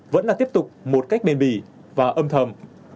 vẫn là tiếp tục một cách bền bỉ và âm thầm